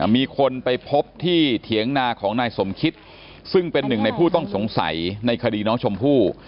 มีคนไปพบที่เถียงนาของนายสมคิตซึ่งเป็นหนึ่งในผู้ต้องสงสัยในคดีน้องชมพู่